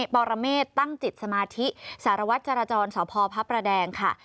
ปรเมฆตั้งจิตสมาธิสารวัตรจรจรสพพระประแดงค่ะ